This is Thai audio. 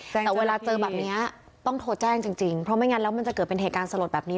แต่เวลาเจอแบบนี้ต้องโทรแจ้งจริงเพราะไม่งั้นแล้วมันจะเกิดเป็นเหตุการณ์สลดแบบนี้